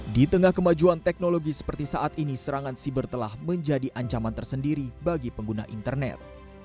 di tengah kemajuan teknologi seperti saat ini serangan siber telah menjadi ancaman tersendiri bagi pengguna internet